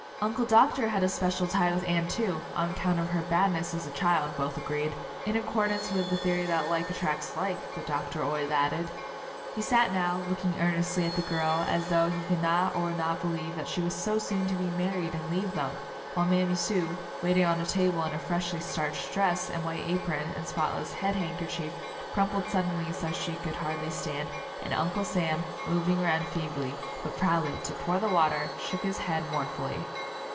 An Announcement Party 17 Uncle Doctor had a special tie with Anne, too, on account of her badness as a child, both agreed ; in accordance with the theory that like attracts like, the doc tor always added. He sat now looking earnestly at the girl, as though he could not or would not believe that she was so soon to be married and leave them; while Mammy Sue, waiting on the table in a freshly starched dress and white apron and spotless head handkerchief, crumpled suddenly so she could hardly stand, and Uncle Sam, moving around feebly, but proudly, to pour the water, shook his head mournfully.